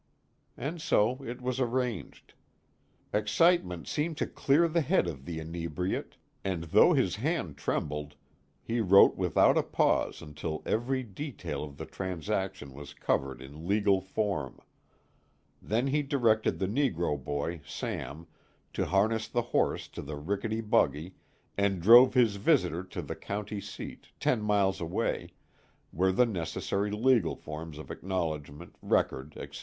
And so it was arranged. Excitement seemed to clear the head of the inebriate, and though his hand trembled, he wrote without a pause until every detail of the transaction was covered in legal form. Then he directed the negro boy, Sam, to harness the horse to the rickety buggy, and drove his visitor to the county seat, ten miles away, where the necessary legal forms of acknowledgment, record, etc.